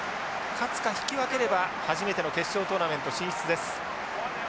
勝つか引き分ければ初めての決勝トーナメント進出です。